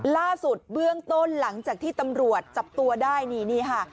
ล่าสุดเบื้องต้นหลังจากที่ตำรวจจับตัวได้นี่นี่ค่ะ